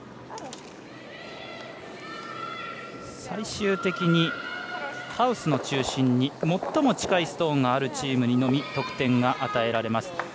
最終的に、ハウスの中心に最も近いストーンがあるチームにのみ得点が与えられます。